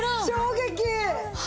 衝撃！